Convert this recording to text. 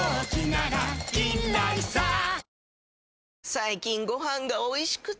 最近ご飯がおいしくて！